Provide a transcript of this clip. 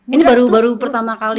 ini baru baru pertama kali